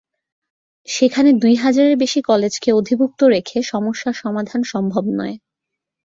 সেখানে দুই হাজারের বেশি কলেজকে অধিভুক্ত রেখে সমস্যার সমাধান সম্ভব নয়।